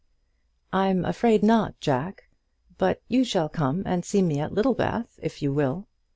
"I'm afraid not, Jack; but you shall come and see me at Littlebath, if you will."